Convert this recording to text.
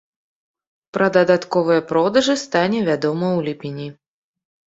Пра дадатковыя продажы стане вядома ў ліпені.